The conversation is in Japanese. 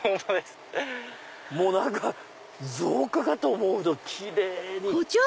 もう何か造花かと思うほどキレイに。